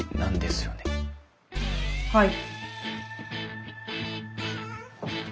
はい。